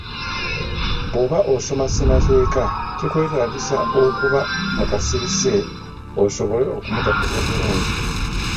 Bwoba osoma ssemateeka, kikwetaagisa okuba mu kasirise osobole okumutaputa obulungi.